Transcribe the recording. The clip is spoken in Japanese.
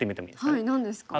はい何ですか？